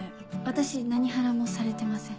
私何ハラもされてません。